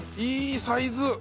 いいサイズ！